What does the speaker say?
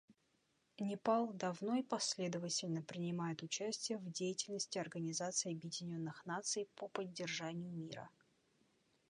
Непал давно и последовательно принимает участие в деятельности Организации Объединенных Наций по поддержанию мира.